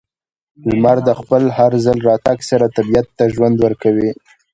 •لمر د خپل هر ځل راتګ سره طبیعت ته ژوند ورکوي.